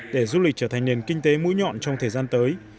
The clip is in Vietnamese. để du lịch trở thành nền kinh tế mũi nhọn trong thời gian tới